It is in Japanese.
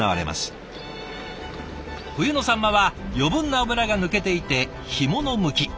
冬のサンマは余分な脂が抜けていて干物向き。